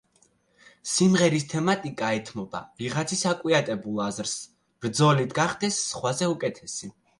სიმღერის თემატიკა ეთმობა ვიღაცის აკვიატებულ აზრს, ბრძოლით გახდეს სხვაზე უკეთესი.